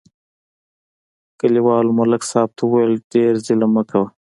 کلیوالو ملک صاحب ته وویل: ډېر ظلم مه کوه